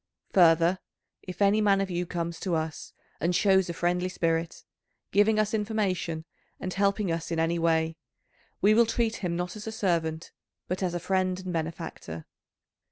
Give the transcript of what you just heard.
Further, if any man of you comes to us and shows a friendly spirit, giving us information and helping us in any way, we will treat him not as a servant, but as a friend and benefactor.